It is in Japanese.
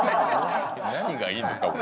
何がいいんですか？